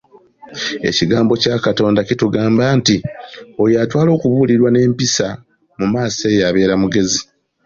Ekigambo kya Katonda kitugamba nti oyo atwala okubuulirirwa n'empisa, mu maaso eyo abeera mugezi.